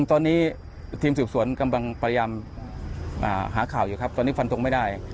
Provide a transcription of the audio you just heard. ตอนนี้ทีมสืบสวนกำลังพยายามหาข่าวอยู่ครับตอนนี้ฟันตรงไม่ได้